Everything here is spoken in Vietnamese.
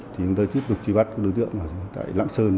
chúng tôi tiếp tục truy bắt đối tượng tại lãng sơn